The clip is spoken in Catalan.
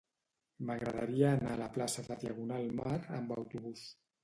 M'agradaria anar a la plaça de Diagonal Mar amb autobús.